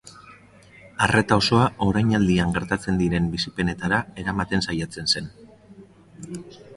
Arreta osoa orainaldian gertatzen diren bizipenetara eramaten saiatzen zen.